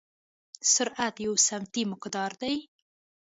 سرعت یو سمتي مقدار دی.